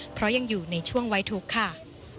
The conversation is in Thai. เพราะยังอยู่ในช่วงไว้ทุกข์ค่ะ